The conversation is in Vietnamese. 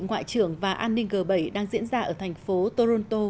ngoại trưởng và an ninh g bảy đang diễn ra ở thành phố toronto